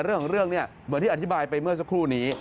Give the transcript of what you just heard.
เรื่องเหมือนที่อธิบายไปเมื่อสักครู่นี้